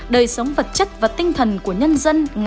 đời sống vật chất và tinh thần của nhân dân ngày càng được tạo ra